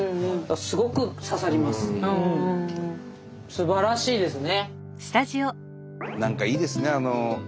すばらしいですね。